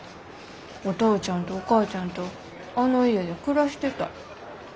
お父ちゃんとお母ちゃんとあの家で暮らしてたい。